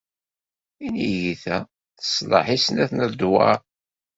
Tinigit-a teṣleḥ i snat n ledwaṛ.